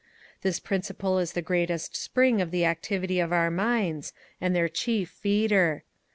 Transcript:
This principle is the great spring of the activity of our minds, and their chief feeder.